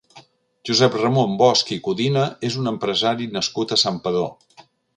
Josep Ramon Bosch i Codina és un empresari nascut a Santpedor.